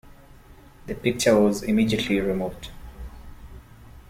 The picture was immediately removed.